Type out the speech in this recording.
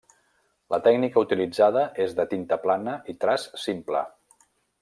La tècnica utilitzada és de tinta plana i traç simple.